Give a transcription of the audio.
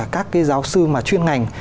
các cái giáo sư mà chuyên ngành